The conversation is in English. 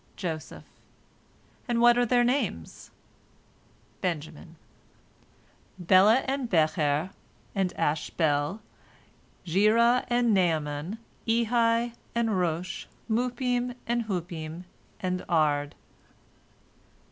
Joseph: "And what are their names? " Benjamin: "Bela, and Becher, and Ashbel, Gera, and Naaman, Ehi, and Rosh, Muppim, and Huppim, and Ard."